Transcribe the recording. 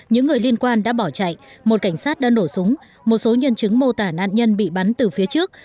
những người liên quan đã bỏ chạy một cảnh sát đã nổ súng một số nhân chứng mô tả nạn nhân bị bắn từ phía trước